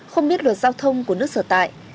không biết luật giao thông của nước sở tại